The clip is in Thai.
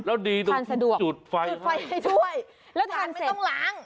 แล้วดีต้องจุดไฟให้ด้วยแล้วทานเสร็จไม่ต้องล้าง